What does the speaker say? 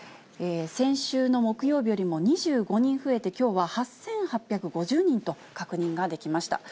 先週の木曜日よりも２５人増えて、きょうは８８５０人と確認ができました。